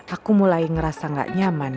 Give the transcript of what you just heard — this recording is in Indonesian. aku mulai ngerasa gak nyaman